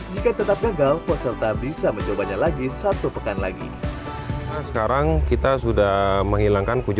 jika tetap gagal peserta bisa mencobanya lagi satu pekan lagi sekarang kita sudah menghilangkan kunci